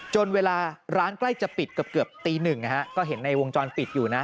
จนเวลาร้านใกล้จะปิดกับเกือบตี๑ก็เห็นในวงจรปิดอยู่นะ